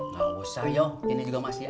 tidak usah ini juga masih ada